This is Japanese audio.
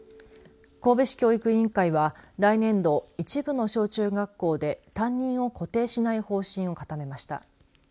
神戸市教育委員会は来年度、一部の小中学校で担任を固定しない方針を固めました。